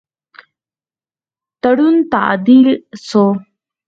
تړون تعدیل سو.